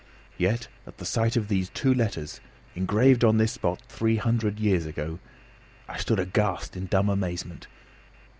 Yet at the sight of these two letters, engraved on this spot three hundred years ago, I stood aghast in dumb amazement.